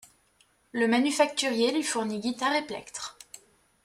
Le manufacturier lui fournit Guitares et plectres.